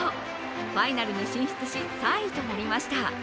ファイナルに進出し、３位となりました。